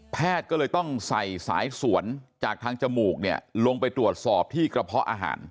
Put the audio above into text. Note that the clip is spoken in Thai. แพทย์ก็เลยต้องใส่สายสวนจากทางจมูกเนี่ยลงไปตรวจสอบที่กระเพาะอาหาร